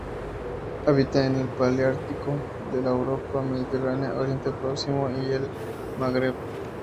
Habita en el paleártico: la Europa mediterránea, Oriente Próximo y el Magreb.